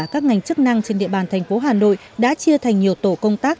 các ngành chức năng trên địa bàn thành phố hà nội đã chia thành nhiều tổ công tác